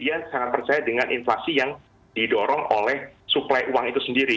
dia sangat percaya dengan inflasi yang didorong oleh suplai uang itu sendiri